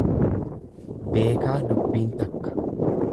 Beekaa dubbiin takka.